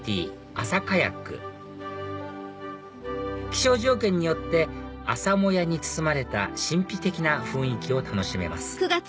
朝カヤック気象条件によって朝もやに包まれた神秘的な雰囲気を楽しめます